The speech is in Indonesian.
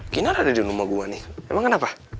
kinar ada di rumah gue nih emang kenapa